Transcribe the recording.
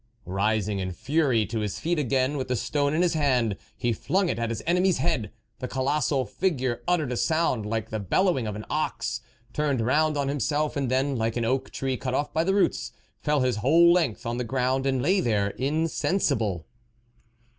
Rising in fury to his feet again, with the stone in his hand, he flung it at his enemy's head. The colossal figure uttered a sound like the bellowing of an ox, turned round on himself, and then, like an oak tree cut off by the roots, fell his whole length on the ground, and lay there in sensible.